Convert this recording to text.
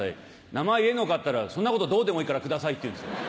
「名前言えんのか？」って言ったら「そんなことどうでもいいからください」って言うんですよ。